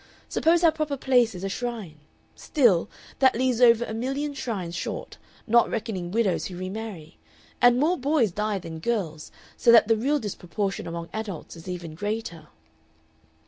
Suppose our proper place is a shrine. Still, that leaves over a million shrines short, not reckoning widows who re marry. And more boys die than girls, so that the real disproportion among adults is even greater."